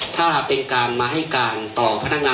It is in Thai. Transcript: ก็ถึงผ่านมาเขาก็แสดงอย่างว่า